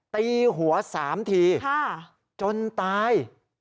ตีหัว๓ทีจนตาย